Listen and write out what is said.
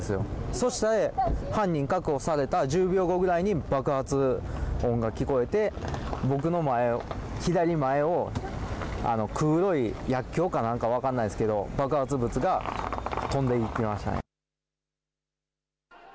そして犯人、確保された１０秒後ぐらいに爆発音が聞こえて僕の左前を黒い薬きょうか何か分からないですけど爆発物が飛んでいきました。